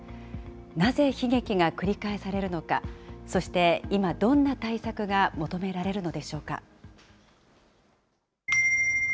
なぜ悲劇が繰り返されるのか、そして今、どんな対策が求められるのでしょうか。